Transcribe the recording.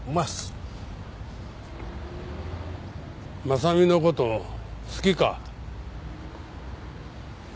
真実の事好きか？